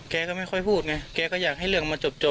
แกก็ไม่ค่อยพูดไงแกก็อยากให้เรื่องมันจบ